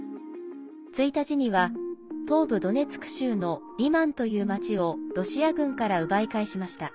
１日には東部ドネツク州のリマンという町をロシア軍から奪い返しました。